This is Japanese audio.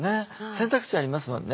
選択肢ありますもんね